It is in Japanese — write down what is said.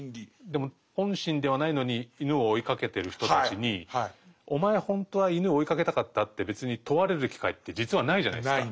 でも本心ではないのに犬を追いかけてる人たちに「お前ほんとは犬追いかけたかった？」って別に問われる機会って実はないじゃないですか。